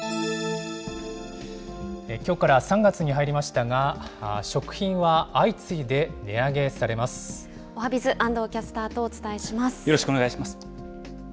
きょうから３月に入りましたが、食品は相次いで値上げされまおはＢｉｚ、安藤キャスターよろしくお願いします。